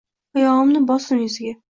Oyogʻimni bosdim yuziga.